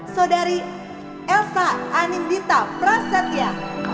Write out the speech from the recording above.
saudari elsa anindita prasetya